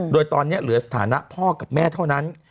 โดยตอนนี้เหลือสถานะพ่อกับแม่เท่านั้น